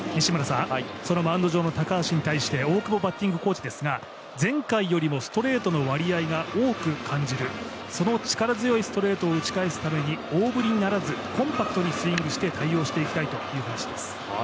そのマウンド上の高橋に対して大久保バッティングコーチですが前回よりもストレートの割合が多く感じる、その力強いストレートを打ち返すために大振りにならずコンパクトにスイングして対応していきたいという話です。